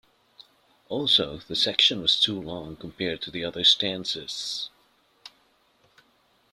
Also, the section was too long compared to the other stanzas.